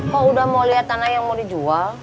kok udah mau lihat tanah yang mau dijual